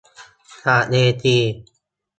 จากเวที